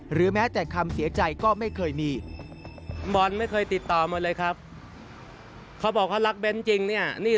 หรือแม้แต่คำเสียใจก็ไม่เคยมี